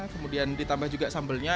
kemudian ditambah juga sambelnya